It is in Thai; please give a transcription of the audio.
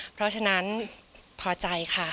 เพราะฉะนั้นพอใจค่ะ